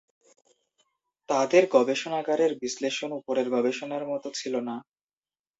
তাদের গবেষণাগারের বিশ্লেষণ উপরের গবেষণার মত ছিল না।